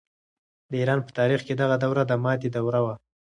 د ایران په تاریخ کې دغه دوره د ماتې دوره وه.